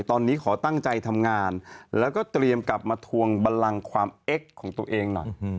ตอนนี้ขอตั้งใจทำงานแล้วก็เตรียมกลับมาทวงบันลังความเอ็กซ์ของตัวเองหน่อย